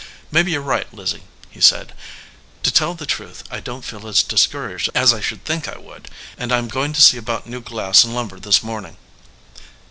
"Maybe you re right, Lizzie," he said. "To tell the truth, I don t feel as discouraged as I should think I would, and I m going to see about new glass and lumber this morning."